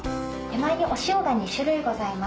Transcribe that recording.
手前にお塩が２種類ございます。